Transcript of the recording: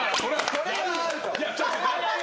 これはアウト！